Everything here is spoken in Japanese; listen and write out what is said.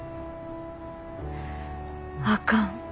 あかん